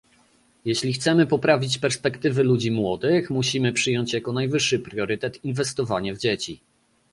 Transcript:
Jeśli chcemy poprawić perspektywy ludzi młodych, musimy przyjąć jako najwyższy priorytet inwestowanie w dzieci